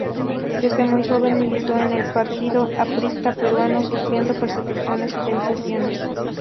Desde muy joven militó en el Partido Aprista Peruano, sufriendo persecuciones y detenciones.